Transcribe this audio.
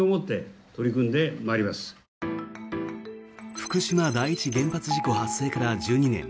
福島第一原発事故発生から１２年。